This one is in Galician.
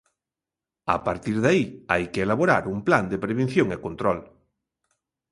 A partir de aí, hai que elaborar un plan de prevención e control.